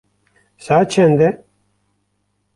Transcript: Saet çend e?